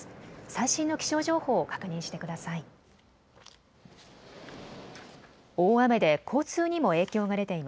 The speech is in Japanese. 最新の気象情報を確認してください。